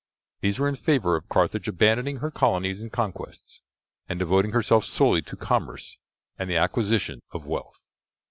These were in favour of Carthage abandoning her colonies and conquests, and devoting herself solely to commerce and the acquisition of wealth.